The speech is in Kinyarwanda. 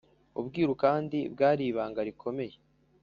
ubwiru kandi bwari ibanga rikomeye